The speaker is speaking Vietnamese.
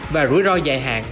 và rủi ro dài hạn